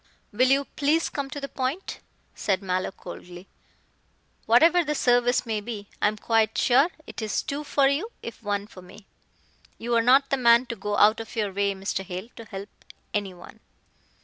"Will you please come to the point?" said Mallow coldly, "whatever the service may be, I am quite sure it is two for you if one for me. You are not the man to go out of your way, Mr. Hale, to help anyone."